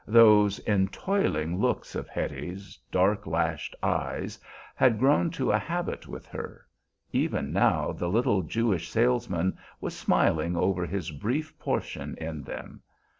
Those entoiling looks of Hetty's dark lashed eyes had grown to a habit with her; even now the little Jewish salesman was smiling over his brief portion in them.